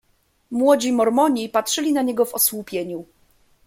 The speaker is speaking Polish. "Młodzi Mormoni patrzyli na niego w osłupieniu."